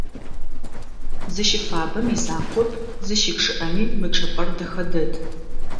Зыщыфабэм изакъоп, зыщычъыӏэми мы чӏыпӏэр дэхэ дэд.